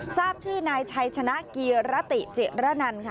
ทราบชื่อนายชัยชนะเกียรติรติจิระนันค่ะ